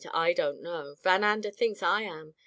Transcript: / don't know. Van Ander thinks I am.